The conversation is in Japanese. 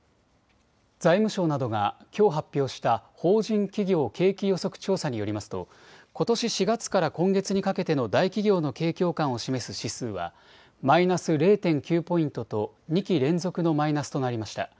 財務省などがきょう発表した法人企業景気予測調査によりますとことし４月から今月にかけての大企業の景況感を示す指数はマイナス０．９ポイントと２期連続のマイナスとなりました。